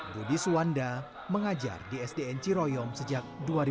budi suwanda mengajar di sdn ciroyom sejak dua ribu dua